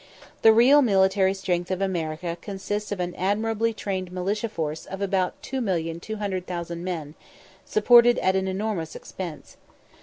The real military strength of America consists of an admirably trained militia force of about 2,200,000 men, supported at an enormous expense.